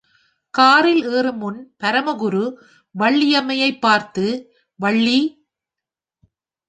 காரில் ஏறுமுன் பரமகுரு வள்ளியம்மையைப் பார்த்து, வள்ளி!